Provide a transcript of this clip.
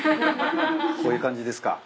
こういう感じですか。